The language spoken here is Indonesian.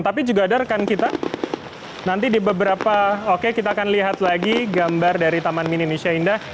tapi juga ada rekan kita nanti di beberapa oke kita akan lihat lagi gambar dari taman mini indonesia indah